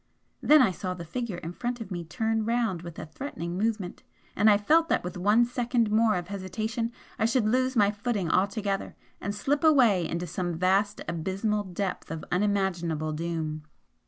Then I saw the Figure in front of me turn round with a threatening movement, and I felt that with one second more of hesitation I should lose my footing altogether and slip away into some vast abysmal depth of unimaginable doom.